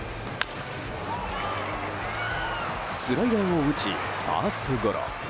スライダーを打ちファーストゴロ。